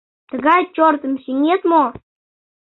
Тыгай чортым сеҥет мо?